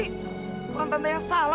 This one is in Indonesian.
kalau tanda yang salah